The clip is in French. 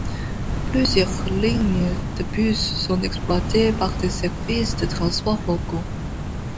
Plusieurs lignes de bus sont exploitées par des services de transport locaux.